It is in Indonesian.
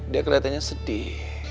dia keliatannya sedih